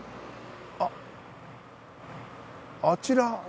あっあちら